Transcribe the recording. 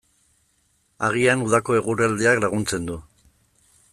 Agian udako eguraldiak laguntzen du.